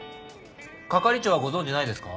係長はご存じないですか？